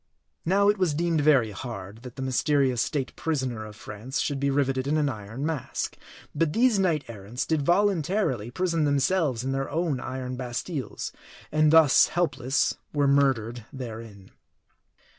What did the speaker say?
Now it was deemed very hard, that the mysterious state prisoner of France should be riveted in an iron mask ; but these knight errants did voluntarily prison themselves in their own iron Bastiles ; and thus helpless were murdered there in.